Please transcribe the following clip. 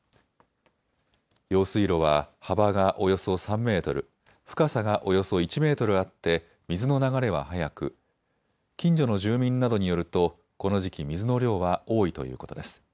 用水路は幅がおよそ３メートル、深さがおよそ１メートルあって水の流れは速く近所の住民などによるとこの時期水の量は多いということです。